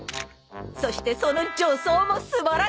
そしてその女装も素晴らしいです！